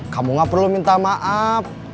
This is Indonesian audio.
kamu gak perlu minta maaf